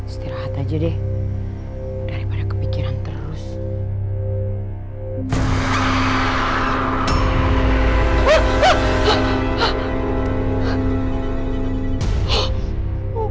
sampai jumpa di video selanjutnya